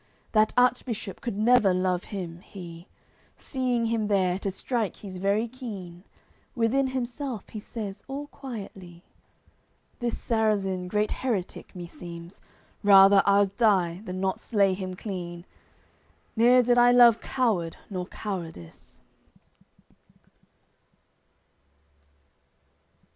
That Archbishop could never love him, he; Seeing him there, to strike he's very keen, Within himself he says all quietly: "This Sarrazin great heretick meseems, Rather I'ld die, than not slay him clean, Neer did I love coward nor cowardice."